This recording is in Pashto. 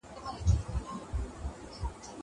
زه اجازه لرم چي کالي وچوم.